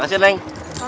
gua ngerjain dia